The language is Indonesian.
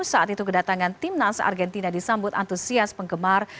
saat itu kedatangan timnas argentina disambut antusias penggemar